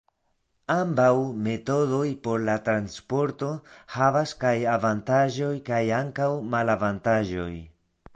Ambaŭ metodoj por la transporto havas kaj avantaĝoj kaj ankaŭ malavantaĝoj.